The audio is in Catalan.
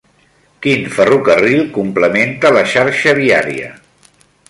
Quin ferrocarril complementa la xarxa viària?